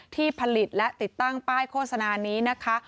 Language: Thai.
ที่ผลิตและติดตั้งป้ายโฆษณานี้นะคะ